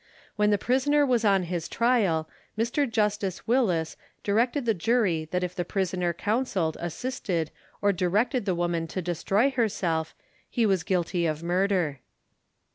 When the prisoner was on his trial, Mr Justice Willes directed the jury that if the prisoner counselled, assisted, or directed the woman to destroy herself, he was guilty of murder.